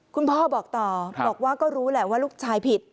พ่อบอกต่อบอกว่าก็รู้แหละว่าลูกชายผิด